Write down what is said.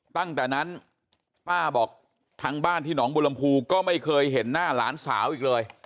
ตั้งแต่นั้นป้าบอกทางบ้านที่หนองบุรมภูก็ไม่เคยเห็นหน้าหลานสาวอีกเลย